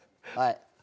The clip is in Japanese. はい。